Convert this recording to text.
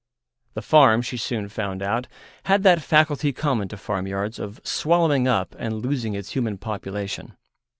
The farm, she soon found out, had that faculty common to farmyards of swallowing up and losing its human population.